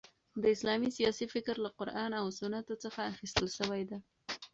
د اسلامی سیاسي فکر له قران او سنتو څخه اخیستل سوی دي.